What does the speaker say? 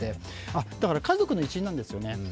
だから、家族の一員なんですよね。